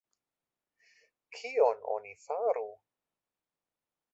Kion oni faru?